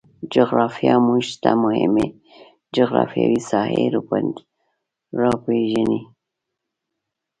جغرافیه موږ ته مهمې جغرفیاوې ساحې روپیژني